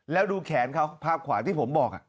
แล้วดูแขนเขาภาพขวาที่ผมบอก